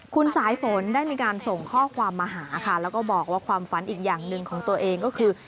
คุณสายฝนได้มีการส่งข้อความมาหาค่ะแล้วก็บอกว่าความฝันอีกอย่างหนึ่งของตัวเองก็คือ